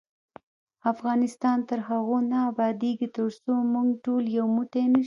افغانستان تر هغو نه ابادیږي، ترڅو موږ ټول یو موټی نشو.